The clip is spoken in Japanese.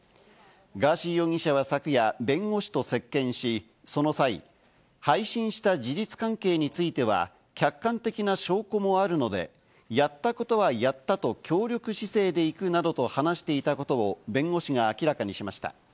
ガーシー容疑者は昨夜、弁護士と接見し、その際、配信した事実関係については、客観的な証拠もあるので、やったことはやったと協力姿勢でいくなどと話していたことを弁護士が明らかにしました。